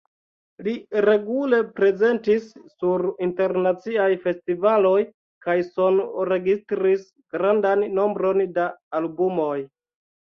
Li regule prezentis sur internaciaj festivaloj kaj sonregistris grandan nombron da albumoj.